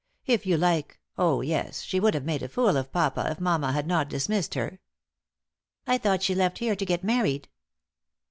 If you like oh, yes, she would have made a fool of papa if mamma had not dismissed her." "I thought she left here to get married?"